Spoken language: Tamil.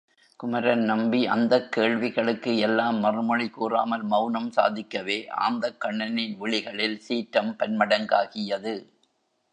குமரன் நம்பி அந்தக் கேள்விகளுக்கு எல்லாம் மறுமொழி கூறாமல் மெளனம் சாதிக்கவே ஆந்தைக்கண்ணனின் விழிகளில் சீற்றம் பன்மடங்காகியது.